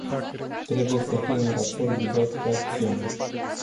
Trebuie să fie un raport ghidat pe acțiune.